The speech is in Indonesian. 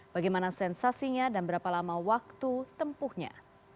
bagaimana sensasinya dan berapa lama waktu tempuhnya